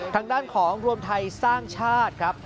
ทางด้านของรวมไทยสร้างชาติครับ